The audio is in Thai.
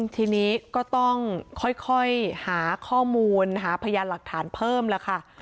ทีนี้ก็ต้องค่อยหาข้อมูลหาพยานหลักฐานเพิ่มแล้วค่ะ